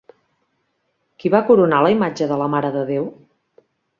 Qui va coronar la imatge de la Mare de Déu?